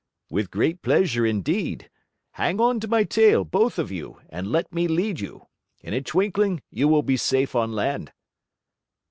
"With great pleasure indeed. Hang onto my tail, both of you, and let me lead you. In a twinkling you will be safe on land."